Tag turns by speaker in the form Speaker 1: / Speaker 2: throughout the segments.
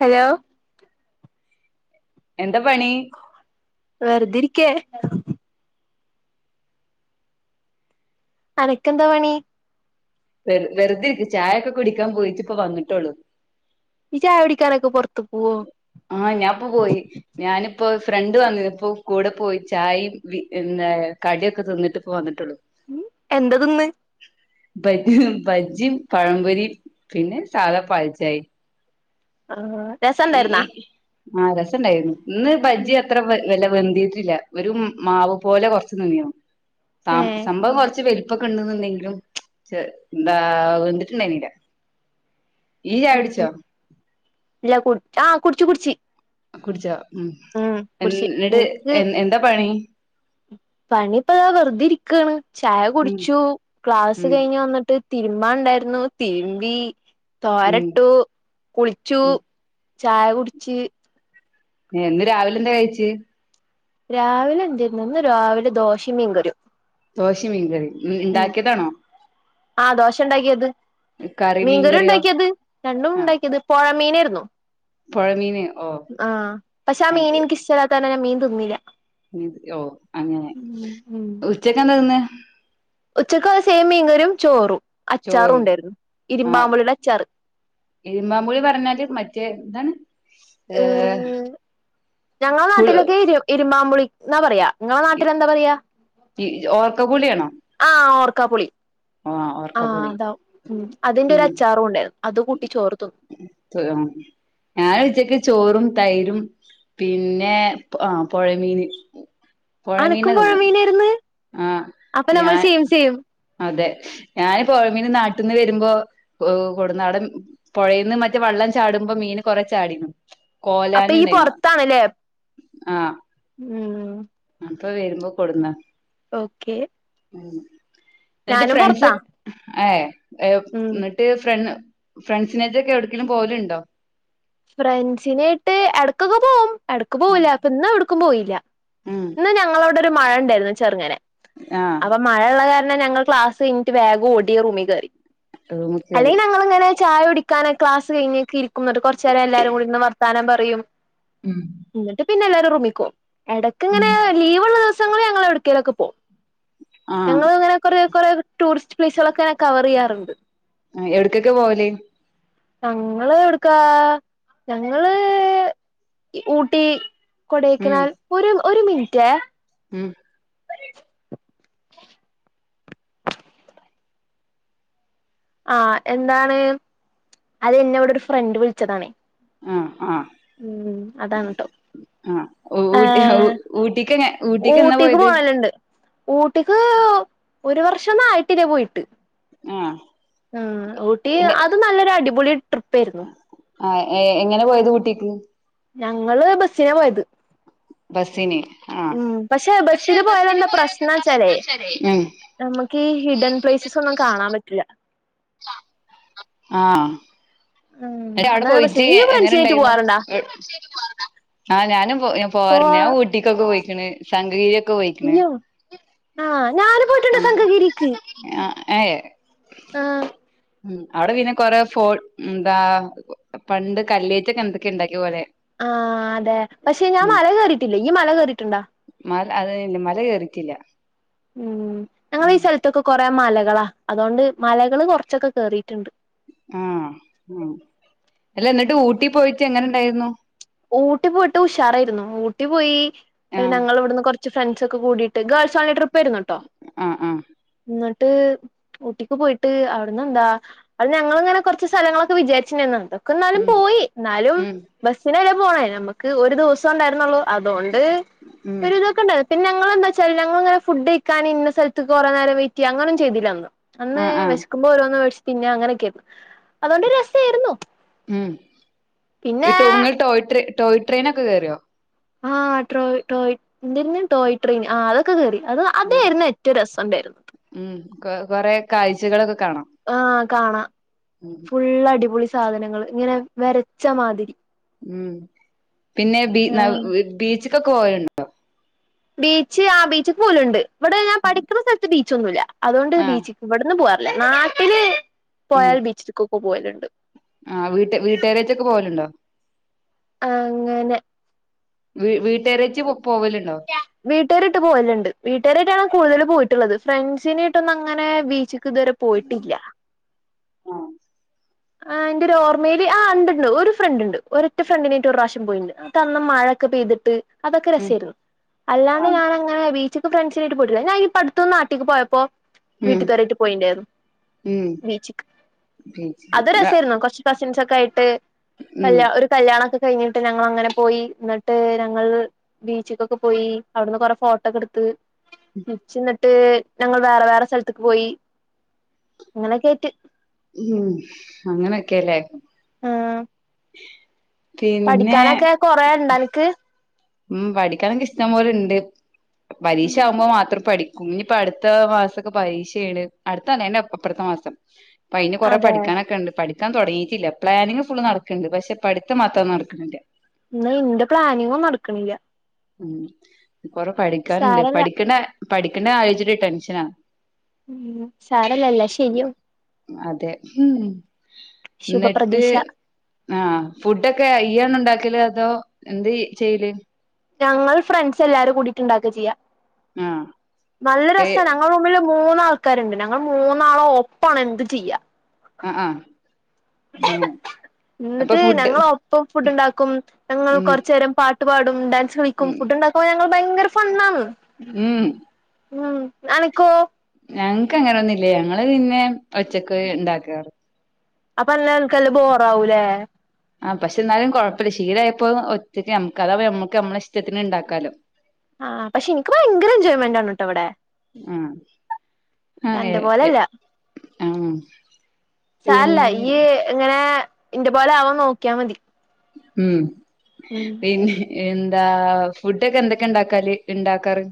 Speaker 1: Hello
Speaker 2: എന്താ പണി
Speaker 1: വേറതിരിക്കേ [unintelligible] അനക്കെന്താ പണി
Speaker 2: വെറ വെറുത ഇരിക്കക്ക് ചായൊക്കെ കുടിക്കാൻ പോയിട്ട് ഇപ്പ വന്നിട്ടോളു
Speaker 1: നീ ചായ കുടിക്കാനൊക്കെ പുറത്ത് പോവോ
Speaker 2: ആഹ ഞാൻപ്പോ പോയി ഞാനിപ്പോ ഫ്രണ്ട് വനിന്ന് ഇപ്പോ കൂടെ പോയി ചായയും എന്താ കടിയൊക്കെ തിന്നിട്ടിപ്പോ വന്നിട്ടുള്ളു
Speaker 1: ഉം എന്തതിന്ന്
Speaker 2: ബജ്ജി ബജ്ജിയും പഴംപൊരി പിന്നെ സാധ പാൽ ചായിം
Speaker 1: ആഹ രസണ്ടാർന്ന
Speaker 2: ആഹ രസം ഉണ്ടായിരുന്നു ഇന്ന് ബജ്ജി അത്ര വ വെന്തിട്ടില്ല ഒരു മാവ് പോലെ കുറച്ച് നിന്നീന്ന് സ
Speaker 1: ഏഹ്
Speaker 2: സംഭവം കുറച്ച് വെൽ പ്പൊക്കെണ്ട് ന്ന് ൻ ടെങ്കിലും ന്ത വെന്തിട്ടുണ്ടനില്ല
Speaker 1: ഇല്ല കുട് ആഹ് കുടിച്ചു കുടിച്ച്
Speaker 2: കുടിചോ ഉ
Speaker 1: ഉം
Speaker 2: എ
Speaker 1: കുടിച്ച്
Speaker 2: എന്നിട്
Speaker 1: ഇൻക്ക്
Speaker 2: എ എന്താ പണി
Speaker 1: പണിപ്പതാ വെറുതെ ഇരിക്കാണ് ചായ
Speaker 2: ഉം
Speaker 1: കുടിച്ചു ക്ലാസ്
Speaker 2: ഉം
Speaker 1: കഴിഞ്ഞ് വന്നിട്ട് തിര് തിരുമ്പാൻ ണ്ടായിരുന്നു തിരുമ്പി
Speaker 2: ഉം
Speaker 1: തോരട്ടു കുളിച്ചു
Speaker 2: ഉം
Speaker 1: ചായ കുടിച്ച്
Speaker 2: ഇന്ന് രാവിലെ എന്താ കഴിച്ച്
Speaker 1: രാവിലെ എന്തായിന്ന് രാവിലെ ദോശയും മീൻകറിം
Speaker 2: ദോഷിംമീൻകറി യും
Speaker 1: ആ ദോഷ ഉണ്ടാക്കിയത്
Speaker 2: കറി
Speaker 1: മീൻകറി
Speaker 2: മീൻകറിയോ
Speaker 1: ഉണ്ടാക്കിയത് രണ്ടും
Speaker 2: ആഹ്
Speaker 1: ഉണ്ടാക്കിയത് പുഴമീന ർന്ന്
Speaker 2: പുഴമീന് ഓ
Speaker 1: ആ പക്ഷെ ആ മീനിൻക് ഇഷ്ടല്ലാത്തകാരണം മീൻ തിന്നില
Speaker 2: ഓ അങ്ങനെ ഉച്ചക് എന്തെ തിന്ന്
Speaker 1: ഉച്ചക്കസെയിം മീൻകറിചോറും
Speaker 2: ചോറും ആ്
Speaker 1: അച്ചാറ്
Speaker 2: ഇരുമ്പമ്പുളി പറഞ്ഞാല് മറ്റേ എന്താണ്
Speaker 1: ഉ
Speaker 2: ഏഹ്
Speaker 1: ഞങ്ങളെ നാട്ടിലൊക്കെ ഇരു ഇരുമ്പമ്പുളി ന്നാ പറയാ നിങ്ങളെ നാട്ടിൽ എന്താ പറയാ
Speaker 2: ഓർക്കപ്പുളിയാണോ
Speaker 1: ആ ഓർക്‌ ഓർകാപുളി
Speaker 2: ആഹ്
Speaker 1: ആഹ
Speaker 2: ഓർക്കപ്പുളി
Speaker 1: അതാ ഉ അതിന്റെ ഒരു
Speaker 2: ഉം
Speaker 1: അച്ചാറും ഉണ്ടായിരുന്നു അത് കൂട്ടി ചോർ തിന്നു
Speaker 2: ഞാൻ ഉച്ചക്ക് ചോറും തൈരും പിന്നെ ആ പുഴമീന് പുഴമീന
Speaker 1: അനക്കും പുഴ
Speaker 2: തിന്ന്
Speaker 1: മീനായിരുന്ന്
Speaker 2: ആ
Speaker 1: അപ്പൊ നമ്മൾ
Speaker 2: ഞാൻ
Speaker 1: സെയിം സെയിം
Speaker 2: അതെ ഞാൻ പുഴമീന് നാട്ടിൽന്ന് വരുമ്പോ കുട്ടനാടൻ പുഴേന്ന് മറ്റേ വെള്ളം ചാടുമ്പോ മീന് കൊറ ചാടി
Speaker 1: അപ്പൊ ഈ പൊറത്താണല്ലേ
Speaker 2: ആ
Speaker 1: ഉം
Speaker 2: ഇപ്പൊ വരുമ്പോ കൊടുുന്നാ
Speaker 1: ഓക്കെ
Speaker 2: ഉം എന്നിട്ട്
Speaker 1: ഞാനും
Speaker 2: ഫ്രണ്ട്സ്
Speaker 1: പൊറത്താ
Speaker 2: അ ഏ എം
Speaker 1: ഉം
Speaker 2: എന്നിട്ട് ഫ്രണ് ഫ്രണ്ട്സിനേക്കെ എവിടക്കങ്കിലും പോലുണ്ടോ
Speaker 1: ഫ്രണ്ട്സിനായിട്ട് എടക്കൊക്കെ പോകവും എടക്ക് പോവില്ല അപ്പ ഇന്ന് ക്കും പോയില്ല
Speaker 2: ഉം
Speaker 1: ഇന്ന് ഞങ്ങളവിട ഒരു മഴ ഉണ്ടായിരുന്നു ചെറുങ്ങനെ
Speaker 2: ആ
Speaker 1: അപ്പൊ മഴയള്ള കാ ഇന്ന് ഞങ്ങൾ ക്ലാസ് കഴിഞ്ഞിട്ട് വേഗം ഓടി റൂമിൽ കയറി
Speaker 2: റൂമ് കേറി
Speaker 1: അല്ലെങ്കിൽ ഞങ്ങൾ ഇങ്ങനെ ചായ കുടിക്കാന ക്ലാസ് കഴിഞ്ഞിക്ക ഇരിക്കുമ്പം കുറ ചില എല്ലാരും കൂടിയിരുന്ന് വർത്താനം പറയും എന്നിട്ട് പിന്നെല്ലാരും റൂമിക്കോവും എടക്ക് ഇങ്ങനെ ലീവ്ള്ള ദിവ സങ്ങള് ഞങ്ങള് എവിട്ക്കേലൊക്ക പോവും
Speaker 2: ആ
Speaker 1: ഞങ്ങള് ഇങ്ങനെ കൊറെ കൊറെ ടൂറിസ്റ്റ് പ്ലൈസുകളൊക്കെ കവർ ചെയ്യാറുണ്ട്
Speaker 2: ആ എവിടക്കൊക്കെ പോവല്
Speaker 1: ഞങ്ങള് എവിടക്കാ ഞങ്ങള് ഊട്ടി
Speaker 2: ഉം
Speaker 1: കൊടൈക്കനാൽ [unintelligible] ഒരു മിനിറ്റേ
Speaker 2: ഉം
Speaker 1: ആ എന്താണ് അത് ന്നെ ഇവിടെ ഒരു ഫ്രണ്ട് വിളിച്ചതാണേ
Speaker 2: ആ ആ
Speaker 1: ഉം അതാണ് ട്ടോ
Speaker 2: ആ ഊട്ടി
Speaker 1: ഏ
Speaker 2: ഊട്ടിക്ക് ഊട്ടിക്ക് എന്നാ പോയത്
Speaker 1: ഊട്ടിക്ക് ഒരു വർഷം ഒന്നും ആയിട്ടില്ല പോയിട്ട്
Speaker 2: ആ
Speaker 1: ഉം ഊട്ടി അത് നല്ലൊരു അടിപൊളി ട്രിപ്പ് ആയിരുന്നു
Speaker 2: ആഹ് ഏഹ് എങ്ങനെ പോയത് ഊട്ടിക്ക്?
Speaker 1: ഞങ്ങള് ബസിനെ പോയത്.
Speaker 2: ബസ്സിന് ആഹ്
Speaker 1: ഉം പഷേ
Speaker 2: പക്ഷെ
Speaker 1: ബസില് പോയാലെ
Speaker 2: ബസ്സിന്
Speaker 1: എന്താ
Speaker 2: പോയാലെന്താ
Speaker 1: പ്രശ്നാച്ചാലേ,
Speaker 2: പ്രശ്നച്ചാലേ
Speaker 1: നമുക്കീ ഹിഡൻ പ്ലേസസ് ഒന്നും കാണാൻ പറ്റില്ല.
Speaker 2: ആഹ്
Speaker 1: ഉം
Speaker 2: [unintelligible] അവടെ
Speaker 1: അതാണ് പ്രശ്നം
Speaker 2: പോയിട്ട്
Speaker 1: ഇയ്യ്
Speaker 2: എങ്ങനെ
Speaker 1: ഫ്രണ്ട്സിനായിട്ട്
Speaker 2: ഇണ്ടായിരുന്നു
Speaker 1: പോവാറുണ്ടാ
Speaker 2: ഏഹ്, ഈ ഫ്രണ്ട്സിനായിട്ട് പോവാറിണ്ടാ? ആഹ് ഞാനും പോ ഏഹ് പോവാറന്നെയാ ഞാൻ ഊട്ടിക്കൊക്കെ പോയി [unintelligible]
Speaker 1: ഇയ്യോ, ആഹ് ഞാന് പോയിട്ടുണ്ട് സംഘഗിരിക്ക്.
Speaker 2: ആയേഹ്
Speaker 1: ആഹ്
Speaker 2: ഉം അവിടെ പിന്നെ കൊറെ ഫോ എന്താ പണ്ട് കല്ലേറ്റൊക്കെ എന്തൊക്കെ ഉണ്ടാക്കിയ പോലെ.
Speaker 1: ആഹ് അതെ പക്ഷെ ഞാൻ മല കയറിട്ടില്ലേ ഈ മല കേറി ട്ടുണ്ടോ
Speaker 2: മൽ അതേല്ല മല കയറിറ്റില്ല
Speaker 1: ഉം ഞങ്ങളീ സെൽത്തൊക്കെ കൊറെ മല കളാ അതോണ്ട് മലകള് കുറച്ചൊക്കെ കേറിട്ടുണ്ട്.
Speaker 2: ആഹ് ആഹ് അല്ല ന്നട്ട് ഊട്ടി പോയിട്ട് എങ്ങനെണ്ടായിരുന്നു?
Speaker 1: ഊട്ടി പോയിട്ട് ഉഷാറായിരുന്നു. ഊട്ടി പോയി ഹ്
Speaker 2: ആഹ്
Speaker 1: ഞങ്ങള് വിടുന്ന് കൊർ ച് ഫ്രൺ ട്സൊക്കെ കൂടീട്ട് ഗേൾസ് ഓൺലി ട്രിപ്പേര്ന്നുട്ടോ
Speaker 2: ആഹ് ആഹ്
Speaker 1: ട്ട് ഊട്ടിക്ക് പോയിട്ട് അവിടുന്ന് എന്താ, അത് ഞങ്ങള്ങ്ങനെ കൊർച്ച് സെലങ്ങളൊക്കെ വിചാരിച്ചിനിന്നതാ ക്ന്നാലും
Speaker 2: ഉം
Speaker 1: പോയി ന്നാലും
Speaker 2: ഉം
Speaker 1: വെസ് [unintelligible] പോണേ നമ്മക്ക് ഒരു ദിവസം ഉണ്ടായിരുന്നുള്ളു. അതുകൊണ്ട്
Speaker 2: ഉം
Speaker 1: ഒരു ഇതൊക്കെണ്ടായി പിന്നെങ്ങളെന്താച്ചാല് ഞങ്ങളിങ്ങനെ ഫുഡഴിക്കാന് ഇന്ന സൽത്ത് കൊറേ നേരം വെറ്റ് ചെയ്യ അങ്ങന ഒുന്നും ചെയ്തില്ലന്ന്. അന്ന്
Speaker 2: ആഹ് ആഹ്
Speaker 1: വെശ്ക്കുമ്പോ ഓരോന്ന് വേടിച്ച് പിന്നെ അങ്ങനൊക്കേര്ന്ന് അതുകൊണ്ട് രസേരുന്നു
Speaker 2: ഉം
Speaker 1: പിന്നേ
Speaker 2: ട്രി ടോയ്ട്രെയിനൊക്കെ കേറിയോ?
Speaker 1: ആഹ് ട്രോയ് ട്രോ എന്തേയ്‌ന് ടോയ് ട്രെയിൻ ആ അതൊക്കെ കേറി. അത്
Speaker 2: ആഹ്
Speaker 1: അതേരുന്നു ഏറ്റവും രസം. ഉണ്ടായിരുന്നു.
Speaker 2: ഉം കൊറേ കാഴ്ചകളൊക്കെ കാണാം
Speaker 1: ആ കാണാം
Speaker 2: ഉം
Speaker 1: ഫുള്ള് അടിപൊളി. സാധനങ്ങൾ ഇങ്ങനെ വരച്ച മാതിരി
Speaker 2: മ് പിന്നെ ബി
Speaker 1: ആഹ്
Speaker 2: ബീച്ച് ക്കൊക്കെ പോവല്ണ്ടോ
Speaker 1: ബീച്ച് ആ ബീച്ച പോലുണ്ട് ഇവിടെ ഞാൻ പഠിക്കുന്ന സ്ഥലത്ത് ബീ ച്ചൊന്നൂല്ല അതുകൊണ്ട്
Speaker 2: ആഹ്
Speaker 1: ബീച്ചക്ക് ഇവിടുന്ന് പോവാ നാട്ടില് പോയൽ ബീച്ച് [unintelligible] പ്പൊ പോയലുണ്ട്
Speaker 2: ആ വീട്ട് വീട്ടുകാരേറ്റൊക്കെ പോവലുണ്ടോ
Speaker 1: ആ അങ്ങനെ
Speaker 2: വീ വീട്ടേരേറ്റ് പോവലുണ്ടോ
Speaker 1: വീട്ടുകാരിട്ട് പോവലുണ്ട് വീട്ടേരിട്ടാണ് കൂടുതൽ പോയിട്ടുള്ളത് ഫ്രണ്ട്സിനേട്ടൊന്ന അങ്ങനെ ബീച്ച് ക്ക് ഇതുവരെ പോയിട്ടില്ല
Speaker 2: ആഹ്
Speaker 1: ആ എന്റെ ഒരു ഓർമ്മേൽ ആ ഇണ്ട് ഒരു ഫ്രണ്ട് ഇണ്ട് ഒരറ്റ ഫ്രണ്ടിനേറ്റ് ഒരു പ്രാവശ്യം പോയിണ്ട് ന്നിട്ട് അന്ന് മഴൊക്കെ പെയ്തിട്ട് അതൊക്കെ
Speaker 2: ഉം
Speaker 1: രസേയിരുന്നു അല്ലാണ്ട്
Speaker 2: ആഹ്
Speaker 1: ഞാനങ്ങനെ ബീച്ച് പം ഫ്രണ്ട്സിനട്ട് പോയിട്ടില്ല ഞാനീപ്പ അടുത്തൊന്ന് നാട്ടിക്ക് പോയപ്പോ
Speaker 2: ഉം
Speaker 1: വീട്ട് കാരായിട്ട് പോയിണ്ടായിരുന്നു
Speaker 2: ഉം
Speaker 1: ബീച്ചിക്ക്
Speaker 2: ബീച്ച്
Speaker 1: അത് രസാരുന്നു കൊറച്ചു പാഷൻ ൻ ഒക്കെ ആയിട്ട്
Speaker 2: ഉം
Speaker 1: കല്ല് ഒരു കല്യാണൊക്കെ കഴിഞ്ഞിട്ട് ഞങ്ങ അങ്ങനെ പോയി എന്നിട്ട് ഞങ്ങൾ ബീച്ച്ക്കൊക്കെ പോയി അവിടുന്ന് കൊറെ ഫോട്ടോക്കെ എടുത്ത് നിച്ചി [unintelligible] ട്ട് ഞങ്ങൾ വേറെ വേറെ സ്ഥലത്ത്ക്ക് പോയി അങ്ങനെക്കെ ആട്ട്
Speaker 2: ഉം അങ്ങനൊക്കെല്ലേ
Speaker 1: ആഹ്
Speaker 2: പിന്നെ
Speaker 1: പഠിക്കാനൊക്കെ കൊറേ ണ്ടാ ന്ക്ക്
Speaker 2: ഉം പഠിക്കാനൊക്കെ ഇഷ്ടംപോലെണ്ട് പരീക്ഷ ആവുമ്പോ മാത്രം പഠിക്കും ഇഞ്ഞ്പ്പ അടുത്ത മാസൊക്കെ പരീക്ഷയാണ് അടുത്തേല്ല അത് ന്റെ അപ്പറത്തെ മാസം പ അയ്ന് കൊറെ
Speaker 1: അതെ
Speaker 2: പഠിക്കാനൊക്കെ ഒണ്ട് പഠി ടിക്കാൻ തുടങ്ങിയിട്ടില്ല പ്ലാനിങ് ഫുള് നടക്കുന്നുണ്ട് പക്ഷെ പഠിത്തം മാത്രം നടക്കുന്നില്ല
Speaker 1: ഇന്ന് ഇന്റെ പ്ലാനിങ്ങും നടക്കണില്ല
Speaker 2: ഉം കൊറേ പഠിക്കാനുണ്ട്
Speaker 1: സാരല്ല
Speaker 2: പഠിക്കണ പഠിക്കണ്ട ആലോചിച്ചിട്ട് ടെൻഷനാ
Speaker 1: ഉം സാരല്ല എല്ലാം ശരിയാവും
Speaker 2: അതെ ഉം എന്നിട്ട്
Speaker 1: ശുഭപ്രതീക്ഷ
Speaker 2: ആ ഫുഡൊക്കെ ആയി ഈയാണോ ഇണ്ടാക്കല് അതോ എന്തീ ചെയ്യല്
Speaker 1: ഞങ്ങൾ ഫ്രണ്ട്സ് എല്ലാരും കൂടിയിട്ട് ഇണ്ടാക്കാ ചെയ്യാ
Speaker 2: ആഹ്
Speaker 1: നല്ല
Speaker 2: ഏ
Speaker 1: രസാ ഞങ്ങളെ റൂമിലും മൂന്നാൾക്കാരുണ്ട് ഞങ്ങൾ മൂന്നാളും ഒപ്പാണ് എന്തും ചെയ്യാ
Speaker 2: ആഹ് ആഹ് അങ്ങനെ അപ്പൊ
Speaker 1: ഇന്നിട്ട്
Speaker 2: ഫുഡ്
Speaker 1: ഞങ്ങള് ഒപ്പം ഫുഡ് ഇണ്ടാക്കും ഞങ്ങള്
Speaker 2: ഉം
Speaker 1: കൊറച്ച് നേരം പാട്ട് പാടും ഡാൻസ് കളിക്കും
Speaker 2: ഉം
Speaker 1: ഫുഡ് ഇണ്ടാക്കുമ്പ ഞങ്ങള് ഭയങ്കര ഫണ്ണാണ്
Speaker 2: ഉം
Speaker 1: ഉം അനക്കോ
Speaker 2: ഞങ്ങ് ഞങ്ങക്ക് അങ്ങന് ഒന്നും ഇല്ലേ ഞങ്ങള് പിന്നെ ഒറ്റക്ക് ഇണ്ടാക്കാറ്
Speaker 1: നല്ല [unintelligible] ബോറാവൂലെ
Speaker 2: ആ പക്ഷെ ന്നാലും കൊഴപ്പല്ല ശീലായപ്പോ ഒറ്റയ്ക്ക് നമ്മക്ക് അതാ നമ്മക്ക് നമ്മളെ ഇഷ്ടത്തിന് ഇണ്ടാക്കാലോ
Speaker 1: ആഹ് പക്ഷെ ഇനിക്ക് ഭയങ്കര എൻജോയ്മെന്റ് ആണ് ട്ടോ ഇവിടെ
Speaker 2: ആഹ് ആഹ് എ
Speaker 1: അന്റെ
Speaker 2: എ
Speaker 1: പോലെല്ല
Speaker 2: ആഹ
Speaker 1: സാരല്ല ഈയ്യ് ഇങ്ങനെ ഇന്റെ പോലെ ആവാൻ നോക്കിയാൽ മതി
Speaker 2: ഉം
Speaker 1: ഉം
Speaker 2: പിന്നെ എന്താ ഫുഡ ഒക്കെ എന്തൊക്കെ ഇണ്ടാക്കാല് ഇണ്ടാക്കാറ്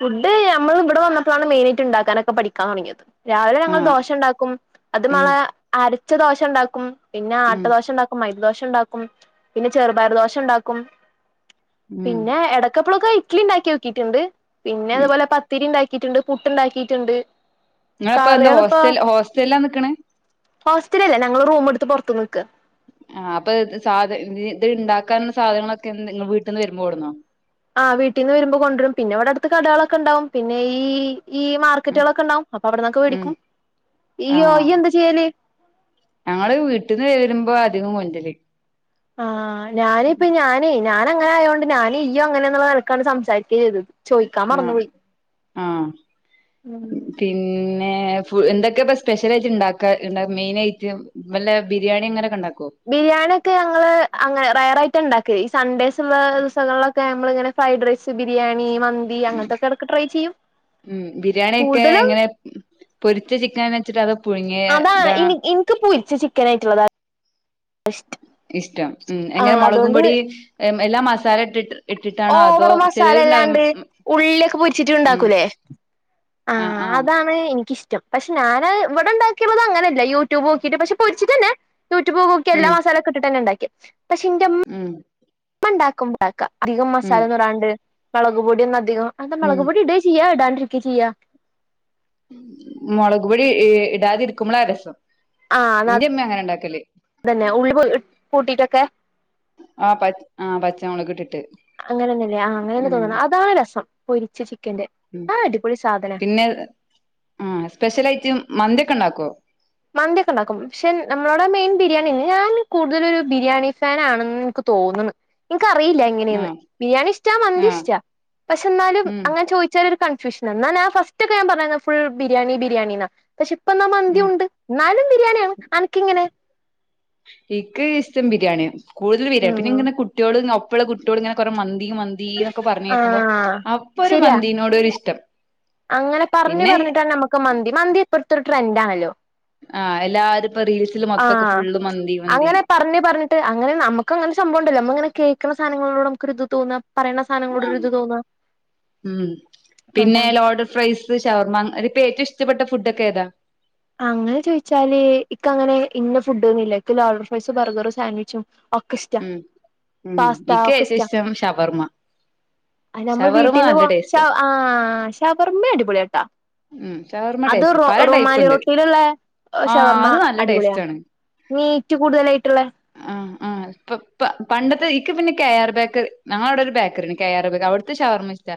Speaker 1: ഫുഡ് നമ്മൾ ഇവിടെ വന്നപ്പോഴാണ് മെയിൻ ആയിട്ട് ഉണ്ടാക്കാനൊക്കെ പഠിക്കാൻ തുടങ്ങിയത് രാവിലെ ഞങ്ങൾ
Speaker 2: ആഹ്
Speaker 1: ദോഷ ഉണ്ടാക്കും അത്
Speaker 2: ഉം
Speaker 1: മളെ ആര ഉച്ച ദോശ ഉണ്ടാക്കും പിന്നെ
Speaker 2: ഉം
Speaker 1: ആട്ടദോശ ഉണ്ടാക്കും മൈ ദോഷ ഉണ്ടാക്കും പിന്നെ ചെറുപർ ദോഷ ഉണ്ടാക്കും
Speaker 2: ഉം
Speaker 1: പിന്നെ എടക്കപ്പളൊ കെഴ ഇഡ്ഡ്ലി ഉണ്ടാക്കി നോക്കിയിട്ടുണ്ട്. പിന്നെ
Speaker 2: ഉം
Speaker 1: അതുപോലെ പത്തിരി ഉണ്ടായി ണ്ട് പുട്ടുണ്ടാക്കിയിട്ടുണ്ട്
Speaker 2: നിങ്ങള ഇപ്പോൊ എന്താ
Speaker 1: കറികൾ
Speaker 2: ഹോസ്റ്റൽ ഹോസ്റ്റലല്ലാ നിക്കണേ
Speaker 1: ഹോസ്റ്റല അല്ലേ ഞങ്ങള് റൂം എടുത്ത് പുറത്തു നിക്ക്
Speaker 2: ആഹ് അപ്പൊ സാധ ഇത് ഇണ്ടാക്കാനുള്ള സാധനങ്ങളൊക്കെ നിങ്ങ വീട്ടിൽ നിന്ന് വരുമ്പോടുന്നോ
Speaker 1: ആഹ് വീട്ടീന്ന് വരുമ്പൊ കൊണ്ടൊരും പിന്നെ ഇവിടെ അടുത്ത് കടകളൊക്കെ ഇണ്ടാവും പിന്നെ ഈ ഈ
Speaker 2: ഉം
Speaker 1: മാർക്കറ്റുളൊക്കെ ഇണ്ടാവും അപ്പൊ അവിടന്നൊക്കെ
Speaker 2: ഉം
Speaker 1: വേടിക്കും ഈ
Speaker 2: ആഹ്
Speaker 1: ഓയ് എന്താ ചെയ്യല്
Speaker 2: കൊണ്ടിരി
Speaker 1: ആഹ് ഞാന് ഇപ്പ ഞാനേ ഞാനങ്ങനായോണ്ട് ഞാന് ഈയുങ്ങനേനുള്ള നിലക്കാണ് സംസാരിക്കേംചെയ്തത്
Speaker 2: ആഹ് ആഹ്
Speaker 1: ഉം
Speaker 2: പി- ഏഹ് ഫു എന്തൊക്കെപ്പ സ്പെഷ്യലായിട്ട് ഇണ്ടാക്ക മെയിൻഐട്ട് വല്ല ബിരിയാണി അങ്ങനൊക്കെ ഇണ്ടാ-
Speaker 1: ബിരിയാണിക്കെ ഞങ്ങള് അങ്ങ റെയറായി ട്ടിണ്ടാക്ക് ഈ സൺഡേയ്സ്ള്ള ദിസങ്ങളിലൊക്കെ നമ്മളിങ്ങന ഫ്രൈഡ് റൈസ് ബിരിയാണി മന്തി
Speaker 2: ഉം
Speaker 1: അങ്ങനത്തൊക്കെ എടക്ക് ട്രൈ ചെയ്യും
Speaker 2: ഉം ബിരിയാണിയൊക്കെ
Speaker 1: കൂടുതലും
Speaker 2: എങ്ങനെ പൊരിച്ച ചിക്കന- ച്ചിട്ട അതൊ
Speaker 1: അതാ ഇനി ഇന്ക്ക് പൊരി ച്ചചിക്കൻ ആയിട്ടിള്ളതാ
Speaker 2: ഇഷ്ടം ഉം എങ്ങനെ
Speaker 1: ആഹ് അതുകൊണ്ട്
Speaker 2: മൊളകുംപൊടി എല്ലാം മസാല ഇട്ടിട്ട് ഇട്ടിട്ടാണോ അതോ
Speaker 1: ഓവറ്
Speaker 2: ചെലോരുണ്ടാവും
Speaker 1: മസാലില്ലാണ്ട് ഉള്ളിലൊക്കെ പൊരിച്ചിട്ട്
Speaker 2: ഉം
Speaker 1: ഇണ്ടാക്കൂല്ലേ ആഹ് അതാണ് എനിക്കിഷ്- റ്റം പക്ഷെ ഞാന് ഇവ്ടെണ്ടാക്കിള്ളത് അങ്ങനല്ല യൂട്യൂബ് നോക്കീട്ട് പക്ഷെപൊരിച്ചിട്ടന്നെ യൂട്യൂബൊക്കെ നോക്കി എല്ലാ
Speaker 2: ഉം
Speaker 1: മസാലക്കെട്ടിട്ട്ന്നെ ഇണ്ടാക്കിയേ പഷെന്റമ്-
Speaker 2: ഉം
Speaker 1: മ്മണ്ടാക്കുമ്പണ്ടാക്കാ അധികം
Speaker 2: ഉം
Speaker 1: മസാലൊന്നിടാണ്ട് മളകുപൊടിയൊന്നു അധികം അഎന്ത
Speaker 2: ഉം
Speaker 1: മളകു പൊടി ഇടേ ചെയ്യാ ഇടാണ്ട് ക്കി ചെയ്യ
Speaker 2: മൊളക്പൊടി ഇടാതെ ഇരിക്കുമ്പളാരസം
Speaker 1: ആ ന്ന അതന്നെ ഉള്ളി പൂട്ടിട്ടൊക്കെ
Speaker 2: ആ പ ആ പച്ചമുളക് ഇട്ടിട്ട്
Speaker 1: അങ്ങനെന്നല്ലേ ആ അങ്ങനെന്നെ
Speaker 2: ഉം
Speaker 1: തോന്ന്ണു അതാ രസം. പൊരിച്ച ചി-
Speaker 2: ഉം പിന്നെ ആ സ്പെഷ്യലയിട്ട് മന്തിയൊക്കെ ഇണ്ടാ- കൊ?
Speaker 1: മന്തിയൊക്കെ ഇണ്ടാക്കും. പക്ഷെ നമ്മളോടെ മെയിൻ ബിരിയാണി. ഞാൻ കൂട് തലൊരു ബിരിയാണി ഫാന് ആണെന്ന് ഇക്ക് തോന്ന്ണ് ഇന്ക്ക അറിയില്ല
Speaker 2: ആ
Speaker 1: എങ്ങനെന്ന് ബിരിയാണി ഇഷ്ട മന്തി
Speaker 2: ആ
Speaker 1: ഇഷ്ട പക്ഷെ എന്നാലും
Speaker 2: ഉം
Speaker 1: അങ്ങനെ ചോയിച്ചാല് ഒര് കൺഫ്യൂഷനാ, എന്നാ ഞാ ഫസ്റ്റോക്ക ഞാൻ പറയ്ണ് ഫുൾ ബിരിയാണി ബിരിയാണിന്നാ പക്ഷെ ഇ
Speaker 2: ഉം
Speaker 1: എന്നാലും ബിരിയാണിയണ്, അനക്കിങ്ങനെ
Speaker 2: ഇക്ക് ഇഷ്ടം ബിരിയാണിയാ. കൂടുതൽ ബിര്യാ പിന്നെ
Speaker 1: ഉം
Speaker 2: ഇങ്ങനെ കുട്ടിയോൾ ങ പ്പള്ള കുട്ടിയോൾ ഇങ്ങനെ കുറ മൻ ന്തി മന്തി എന്നൊക്കെ പറഞ്ഞ് കേക്കുമ്പ്
Speaker 1: ആഹ്
Speaker 2: അപ്പൊര്
Speaker 1: ശരിയാ
Speaker 2: മന്തിനോടൊരൂ ഇഷ്ടം.
Speaker 1: അങ്ങനെ പറഞ്ഞ്
Speaker 2: പിന്നെ
Speaker 1: പറഞ്ഞിട്ടാണ് നമ്മുക്ക് മന്തി, മന്തി ഇപ്പർത്തൊരു ട്രൻഡ് ആണല്ലോ.
Speaker 2: ആഹ് എല്ലാരും ഇപ്പൊ റീൽസില് മൊത്തൊക്കെ
Speaker 1: ആഹ്
Speaker 2: ഫുള്ള് മന്തി മന്തി
Speaker 1: അങ്ങനെ പറഞ്ഞു പറഞ്ഞിട്ട് അങ്ങനെ നമുക്ക് അങ്ങനെ സംഭവ ണ്ടല്ലോ... നമ്മളിങ്ങനെ കേക്ക്ണ സാനങ്ങളോട് നമ്മുക്കൊരു ഇത് തോന്നാ. പറയണ സാധനങ്ങളോട്
Speaker 2: ആഹ്.
Speaker 1: ഒരു ഇത് തോന്നാ
Speaker 2: ഉം പിന്നെ
Speaker 1: അതാണ്
Speaker 2: ലോഡഡ്ഡ് ഫ്രൈസ്, ഷവർമാ, അ ഒര് പ്പേറ്റും ഇഷ്ടപ്പെട്ട ഫുഡോക്കെ ഏതാ?
Speaker 1: അങ്ങനെ ചോദിച്ചാല് ഇക്ക് അങ്ങനെ ഇന്ന ഫുഡൊന്നുല്ല. ഇക്ക് ലോഡഡ് ഫ്രൈസ്‌, ബർഗർ, സാൻവിച്ചും, ഒക്കെ ഇഷ്ടാ...
Speaker 2: ഉം ഉം
Speaker 1: പാസ്ത
Speaker 2: ഇക്ക്
Speaker 1: ഒക്കെ
Speaker 2: ഏറ്റവും
Speaker 1: ഇഷ്ടാ...
Speaker 2: ഇഷ്ടം ഷവർമ്മ
Speaker 1: അയ്നമ്മൾ
Speaker 2: ഷവർമ്മ
Speaker 1: വീട്ടിന്ന്
Speaker 2: നല്ല ടേസ്റ്റ്
Speaker 1: കൊർച്ചാ...
Speaker 2: ആണ്.
Speaker 1: ആഹ് ശവർമ്മിം അടിപൊളിയാട്ടാ..
Speaker 2: ഉം ഷവർമ്മ ടേസ്റ്റ്, പല ടൈപ്പ് ണ്ട്.
Speaker 1: ട്ടിയിലുള്ള ഷവർമ്മ അടിപൊളിയാ
Speaker 2: ആണ്
Speaker 1: മീറ്റ് കൂടുതലായിട്ടുള്ള
Speaker 2: ആ ആ ഇപ്പ ഇപ്പ പണ്ടത്തെ പിന്നെ കെ ആർ ബേക്കറി ഞങ്ങള അവിടെ ഒരു ബേക്കറിണ്ട് കെ ആർ ബേക്ക് അവിടുത്തെ ഷവർ ഇഷ്ട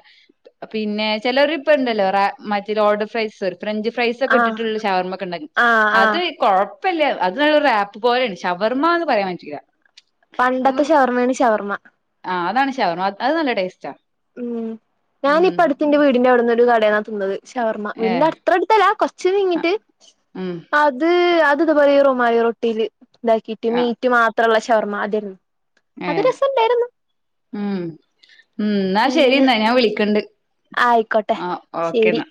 Speaker 2: പിന്നെ ചിലർ ഇപ്പ ഉണ്ടല്ലോ റ മ റ്റെ ലോഡെഡ് ഫ്രൈസ് ഫ്രഞ്ച് ഫ്രൈസ് ഒക്കെ
Speaker 1: ആ
Speaker 2: ഇട്ടിട്ടുള്ള ഷവർമൊക്കെ ഉണ്ട്
Speaker 1: ആ ആ
Speaker 2: അത് കോഴ ഇപ്പല്ല അത് റാപ്പ് പോലെയണ ഷവർമ്മ എന്ന് പറയാൻ പറ്റില്ല
Speaker 1: പണ്ടത്തെ ഷവർമ്മയാണ് ഷവർമ്മ
Speaker 2: ഷവർമ അ അത് നല്ല ടേസ്റ്റാ
Speaker 1: ഉം ഞാനിപ്പ അടുത്തിന്റെ
Speaker 2: ഉം
Speaker 1: വീടിന്റവിടുന്ന് ഒരു [unintelligible] തിന്നത് ഷവർമ്മ
Speaker 2: ഏ
Speaker 1: വീടിന്റെ അത്ര അടുത്തല്ല കൊറച്ച് നീങ്ങിട്ട്
Speaker 2: ഉം
Speaker 1: അത് അത് അത് പോലെ ഈ രോമലി റൊട്ടിയില് ഇതാക്കിട്ട് മീറ്റ് മാ ത്രള ഷർമ്മ അതരുന്നു
Speaker 2: ഏഹ് ഉം ഉം എന്നാ
Speaker 1: അങ്ങനെ
Speaker 2: ശെരി എന്നാ ഞാൻ വിളിക്കണ്ട്
Speaker 1: ആയിക്കോട്ടെ
Speaker 2: ആ ഓക്കേന്നാ
Speaker 1: ശരി